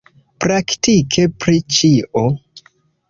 Praktike pri ĉio.